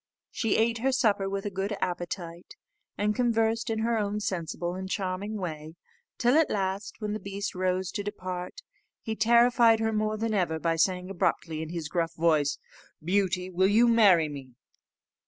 She ate her supper with a good appetite, and conversed in her own sensible and charming way, till at last, when the beast rose to depart, he terrified her more than ever by saying abruptly, in his gruff voice, "Beauty, will you marry me!"